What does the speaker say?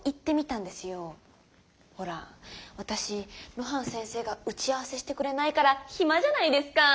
露伴先生が打ち合わせしてくれないからヒマじゃないですかー。